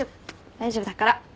大丈夫だから。